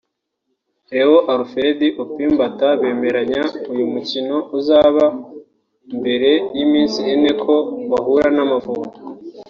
Léon Alfred Opimbat bemeranya uyu mukino uzaba mbere y’iminsi ine ko bahura n’Amavubi